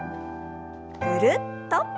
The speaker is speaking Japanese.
ぐるっと。